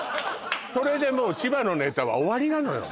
それでもう千葉のネタは終わりなのよ